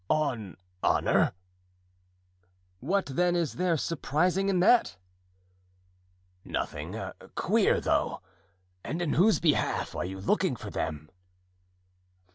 "On honor?" "What, then, is there surprising in that?" "Nothing. Queer, though. And in whose behalf are you looking for them?"